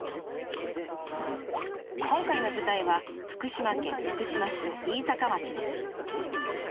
今回の舞台は福島県福島市の飯坂町です。